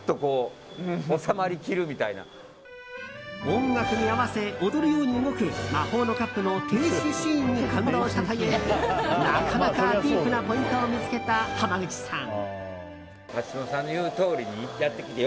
音楽に合わせ踊るように動く魔法のカップの停止シーンに感動したというなかなかディープなポイントを見つけた濱口さん。